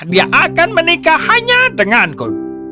dia akan menikah hanya denganku